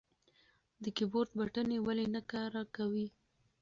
د کیبورډ بټنې ولې نه کار کوي؟